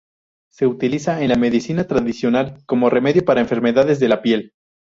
Se utiliza en la medicina tradicional como remedio para enfermedades de la piel.